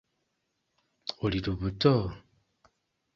Oli lubuto?